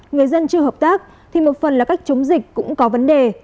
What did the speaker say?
người dân chưa hợp tác thì một phần là cách chống dịch cũng có vấn đề